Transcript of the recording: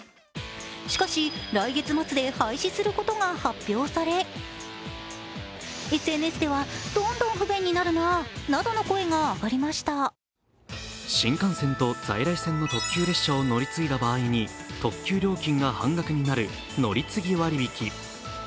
しかし、来月末で廃止することが発表され新幹線と在来線の特急列車を乗り継いだ場合に特級料金が半額になる乗継割引。